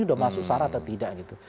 udah masuk sara atau tidak gitu